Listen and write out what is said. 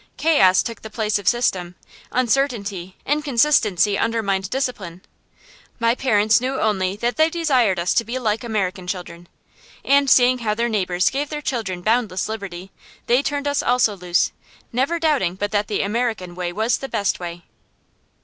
Chaos took the place of system; uncertainty, inconsistency undermined discipline. My parents knew only that they desired us to be like American children; and seeing how their neighbors gave their children boundless liberty, they turned us also loose, never doubting but that the American way was the best way.